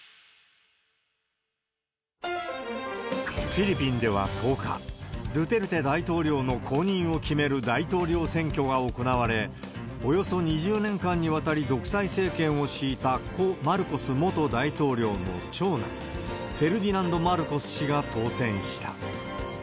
フィリピンでは１０日、ドゥテルテ大統領の後任を決める大統領選挙が行われ、およそ２０年間にわたり独裁政権を敷いた故・マルコス元大統領の長男、フェルディナンド・マルコス氏が当選した。